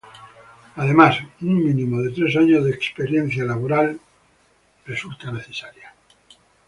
Además, un mínimo de tres años de experiencia laboral es necesario.